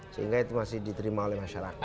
sehingga itu masih diterima oleh masyarakat